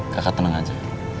kakak tenang aja